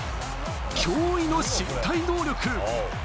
驚異の身体能力。